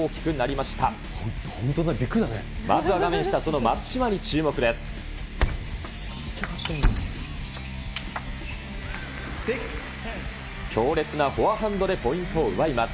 まずは画面下、その松島に注目です。